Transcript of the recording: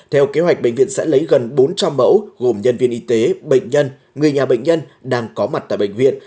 theo kế hoạch bệnh viện sẽ lấy gần bốn trăm linh mẫu gồm nhân viên y tế bệnh nhân người nhà bệnh nhân đang có mặt tại bệnh viện